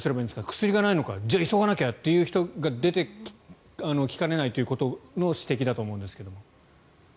薬がないじゃあ、急がなきゃという人が出てきかねないという指摘だと思うんですが。